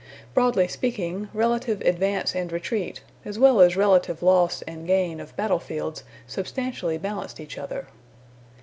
Broadly speaking, relative advance and retreat, as well as relative loss and gain of battle fields substantially balanced each other.